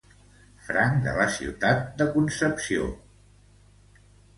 Franc de la ciutat de Concepción.